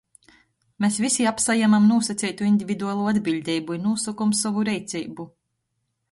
Mes vysi apsajemam nūsaceitu individualu atbiļdeibu i nūsokom sovu reiceibu.